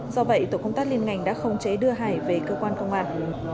do vậy tổ công tác liên ngành đã không chế đưa hải về cơ quan công an